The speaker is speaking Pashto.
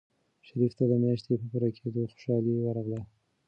شریف ته د میاشتې په پوره کېدو خوشحالي ورغله.